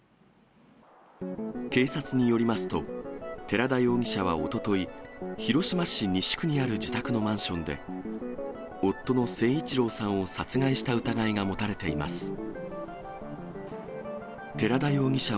警察によりますと、寺田容疑者はおととい、広島市西区にある自宅のマンションで、夫の誠一郎さんを殺害した疑いが持たれています。